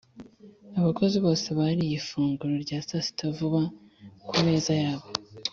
abakozi bose bariye ifunguro rya sasita vuba ku meza yabo.